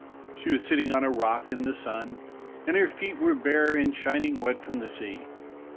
... She was sitting on a rock in the sun, and her feet were bare and shining wet from the sea.